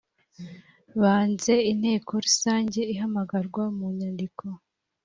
banze inteko rusange ihamagarwa mu nyandiko .